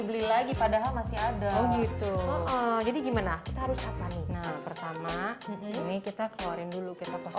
beli lagi padahal masih ada gitu jadi gimana harus apa nih pertama ini kita keluarin dulu